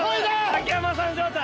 竹山さん状態。